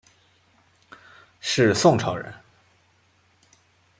是宋朝人。